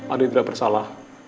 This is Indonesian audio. adik tidak bersalah